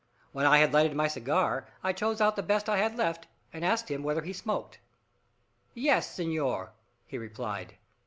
When I had lighted my cigar, I chose out the best I had left, and asked him whether he smoked. "Yes, senor," he replied.